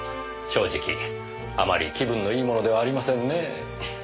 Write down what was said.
正直あまり気分のいいものではありませんねえ。